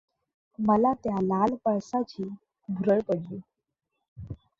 मला त्या लाल पळसाची भूरळ पडली.